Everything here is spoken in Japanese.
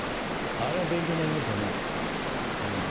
あれは勉強になりましたね。